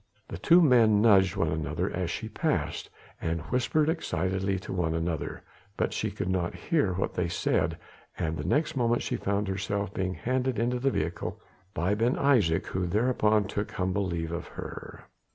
The two men nudged one another as she passed, and whispered excitedly to one another, but she could not hear what they said, and the next moment she found herself being handed into the vehicle by Ben Isaje, who thereupon took humble leave of her.